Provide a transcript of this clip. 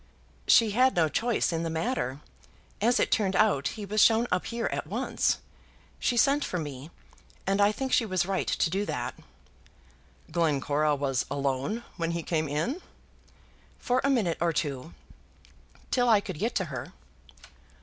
"She had no choice in the matter. As it turned out, he was shown up here at once. She sent for me, and I think she was right to do that." "Glencora was alone when he came in?" "For a minute or two, till I could get to her."